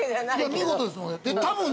◆見事ですもん。